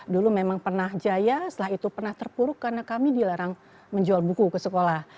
dulu memang pernah jaya setelah itu pernah terpuruk karena kami dilarang menjual buku ke sekolah